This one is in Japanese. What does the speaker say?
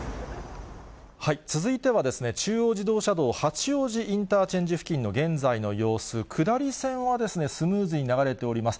続いては中央自動車道八王子インターチェンジ付近の現在の様子、下り線はスムーズに流れております。